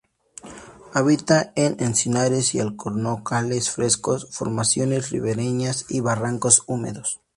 Habita en encinares y alcornocales frescos, formaciones ribereñas y barrancos húmedos.